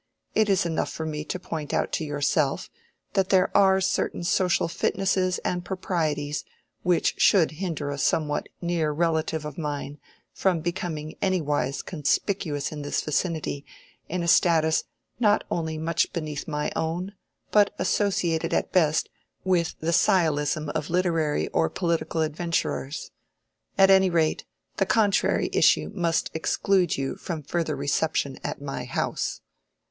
It is enough for me to point out to yourself that there are certain social fitnesses and proprieties which should hinder a somewhat near relative of mine from becoming any wise conspicuous in this vicinity in a status not only much beneath my own, but associated at best with the sciolism of literary or political adventurers. At any rate, the contrary issue must exclude you from further reception at my house.